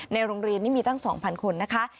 ในโรงเรียนนี้มีตั้ง๒๐๐คนนะคะ